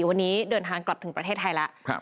วันนี้เดินทางกลับถึงประเทศไทยแล้ว